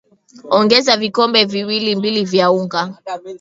ongeza vikombe viwili mbili vya unga